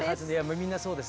みんなそうです。